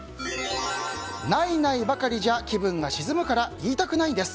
ないないばかりじゃ気分が沈むから言いたくないんです。